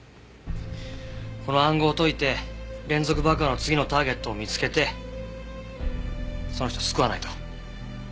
この暗号を解いて連続爆破の次のターゲットを見つけてその人を救わないと。